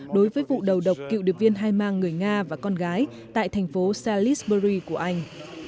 đối với vụ đầu độc cựu điệp viên hai mang người nga và con gái tại thành phố salisbury của anh